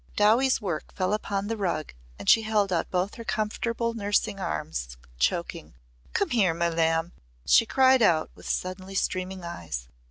Dowie's work fell upon the rug and she held out both her comfortable nursing arms, choking: "Come here, my lamb," she cried out, with suddenly streaming eyes.